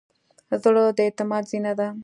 زړه د اعتماد زینه ده.